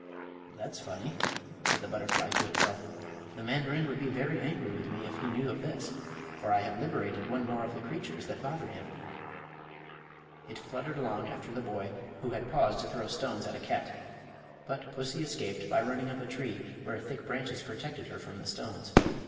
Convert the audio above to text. "That's funny," said the butterfly to itself. "The mandarin would be very angry with me if he knew of this, for I have liberated one more of the creatures that bother him." It fluttered along after the boy, who had paused to throw stones at a cat. But pussy escaped by running up a tree, where thick branches protected her from the stones.